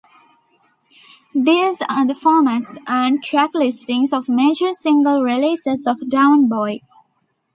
These are the formats and track listings of major single releases of "Down Boy".